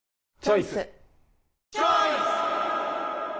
チョイス！